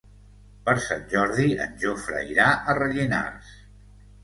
Per Sant Jordi en Jofre irà a Rellinars.